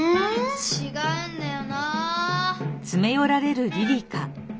ちがうんだよな。